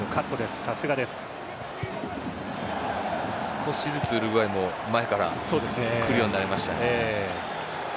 少しずつウルグアイも前から来るようになりましたね。